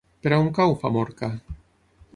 Per on cau Famorca?